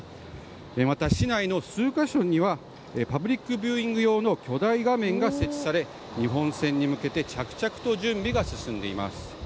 また、市内の数か所にはパブリックビューイング用の巨大画面が設置され日本戦に向けて着々と準備が進んでいます。